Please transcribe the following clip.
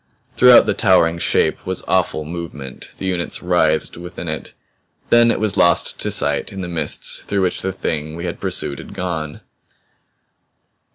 Throughout the towering Shape was awful movement; its units writhed within it. Then it was lost to sight in the mists through which the Thing we had pursued had gone.